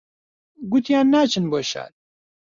گوتیان ناچن بۆ شار